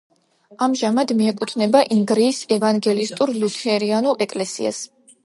ამჟამად მიეკუთვნება ინგრიის ევანგელისტურ-ლუთერანულ ეკლესიას.